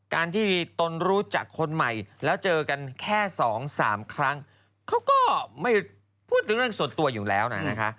การที่มีตนรู้จักคนใหม่แล้วเจอกันแค่สองสามครั้งเขาก็ไม่พูดถึงเรื่องส่วนตัวอยู่แล้วนะคะ